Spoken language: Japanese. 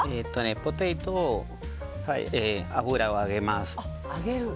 ポテト、油で揚げます。